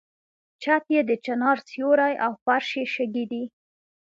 چت یې د چنار سیوری او فرش یې شګې دي.